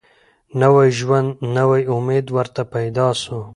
نوی ژوند نوی امید ورته پیدا سو